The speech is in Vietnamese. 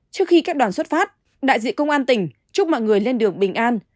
trước khi các đoàn xuất phát đại diện công an tỉnh chúc mọi người lên đường bình an